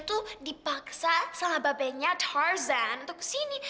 dia tuh dipaksa sama babenya tarzan untuk ke sini